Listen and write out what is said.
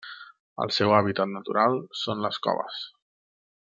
El seu hàbitat natural són les coves.